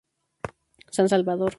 San Salvador".